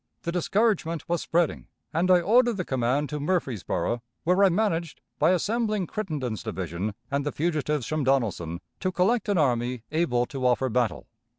The discouragement was spreading, and I ordered the command to Murfreesboro, where I managed, by assembling Crittenden's division and the fugitives from Donelson, to collect an army able to offer battle.